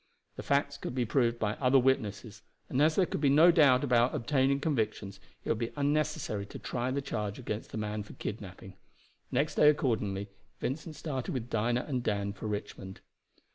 The facts could be proved by other witnesses, and as there could be no doubt about obtaining convictions, it would be unnecessary to try the charge against the man for kidnaping. Next day, accordingly, Vincent started with Dinah and Dan for Richmond.